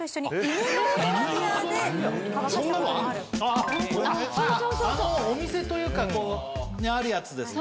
あっあのお店というかにあるやつですか。